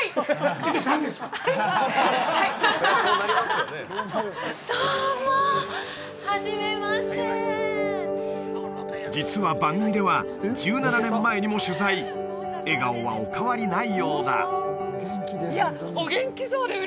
はいどうもはじめましてはじめまして実は番組では１７年前にも取材笑顔はお変わりないようだはい